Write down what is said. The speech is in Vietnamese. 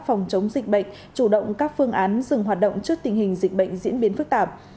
phòng chống dịch bệnh chủ động các phương án dừng hoạt động trước tình hình dịch bệnh diễn biến phức tạp